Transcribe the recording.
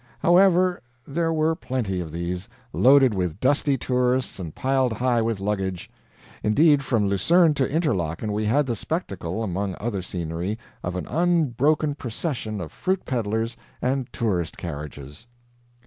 However, there were plenty of these, loaded with dusty tourists and piled high with luggage. Indeed, from Lucerne to Interlaken we had the spectacle, among other scenery, of an unbroken procession of fruit peddlers and tourists carriages.